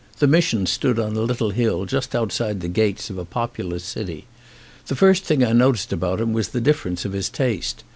The mission stood on a little hill just out side the gates of a populous city. The first thing I noticed about him was the difference of his taste.